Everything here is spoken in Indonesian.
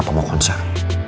apa mau konser